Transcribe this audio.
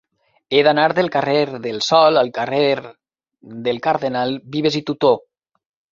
He d'anar del carrer del Sol al carrer del Cardenal Vives i Tutó.